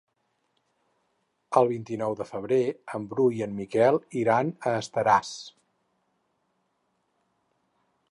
El vint-i-nou de febrer en Bru i en Miquel iran a Estaràs.